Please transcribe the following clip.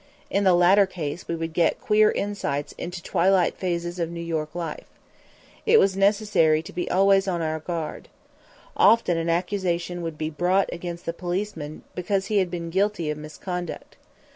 In the latter case we would get queer insights into twilight phases of New York life. It was necessary to be always on our guard. Often an accusation would be brought against the policeman because he had been guilty of misconduct.